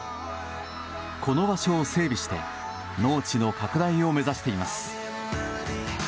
この場所を整備して農地の拡大を目指しています。